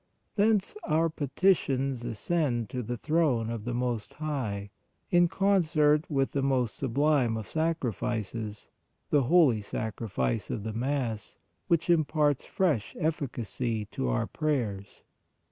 Thence our petitions ascend to the throne of the Most High, in concert with the most sublime of sacrifices, the Holy Sacrifice of the Mass which im parts fresh efficacy to our prayers.